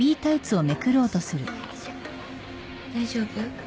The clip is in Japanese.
大丈夫？